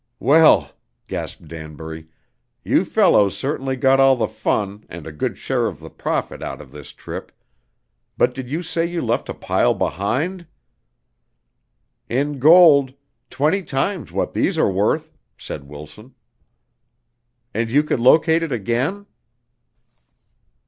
"Well," gasped Danbury, "you fellows certainly got all the fun and a good share of the profit out of this trip. But did you say you left a pile behind?" "In gold. Twenty times what these are worth," said Wilson. "And you could locate it again?"